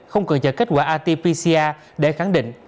không cần chờ kết quả rt pcr để khẳng định